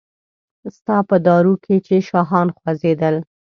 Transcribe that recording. ستا په دارو کې چې شاهان خوځیدل